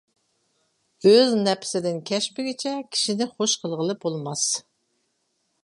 ئۆز نەپسىدىن كەچمىگۈچە، كىشىنى خۇش قىلغىلى بولماس.